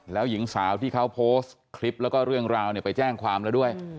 แล้วหญิงสาวที่เขาโพสต์คลิปแล้วก็เรื่องราวเนี่ยไปแจ้งความแล้วด้วย